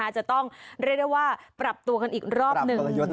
จะต้องเรียกได้ว่าปรับตัวกันอีกรอบหนึ่ง